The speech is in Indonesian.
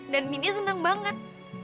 dan mini seneng banget